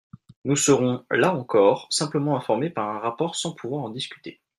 Nous serons, là encore, simplement informés par un rapport sans pouvoir en discuter.